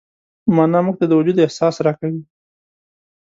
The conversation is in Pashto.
معنی موږ ته د وجود احساس راکوي.